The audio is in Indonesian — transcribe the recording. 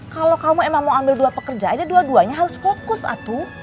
kalau kamu emang mau ambil dua pekerja ada dua duanya harus fokus atu